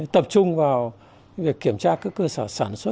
tập trung vào việc kiểm tra các cơ sở sản xuất